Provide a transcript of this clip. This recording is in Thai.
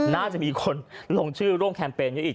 น่าจะมีคนลงชื่อร่วมแคมเปญให้อีก